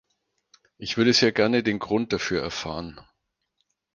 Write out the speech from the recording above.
Ich würde sehr gerne den Grund dafür erfahren.